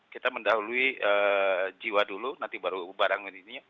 kita mendahului jiwa dulu nanti baru berbarang